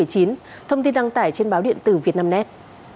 công tin đăng tải trên báo điện tử vietnamnet